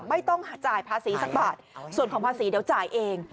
ไม่ต้องจ่ายภาษีสักบาทส่วนของภาษีเดี๋ยวจ่ายเอง